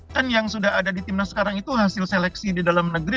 kan yang sudah ada di timnas sekarang itu hasil seleksi di dalam negeri